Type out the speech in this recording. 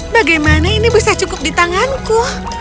bagaimana ini bisa cukup di tanganku